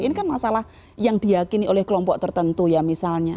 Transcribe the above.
ini kan masalah yang diakini oleh kelompok tertentu ya misalnya